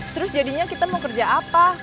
terus jadinya kita mau kerja apa